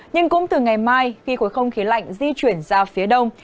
nhưng cũng từ ngày mai khi khối không khí lạnh di chuyển ra phía đông